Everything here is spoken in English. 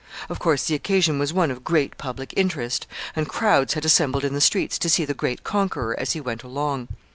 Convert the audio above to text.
Of course, the occasion was one of great public interest, and crowds had assembled in the streets to see the great conqueror as he went along.